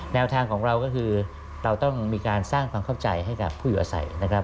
แนวทางของเราก็คือเราต้องมีการสร้างความเข้าใจให้กับผู้อยู่อาศัยนะครับ